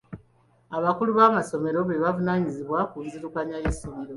Abakulu b'amasomero be bavunaanyizibwa ku nzirukanya y'essomero.